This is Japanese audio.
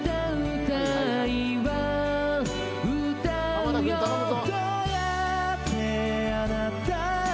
濱田君、頼むぞ。